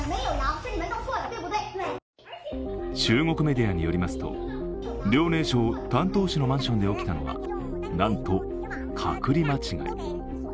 中国メディアによりますと、遼寧省丹東市のマンションで起きたのはなんと、隔離間違い。